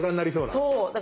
そう！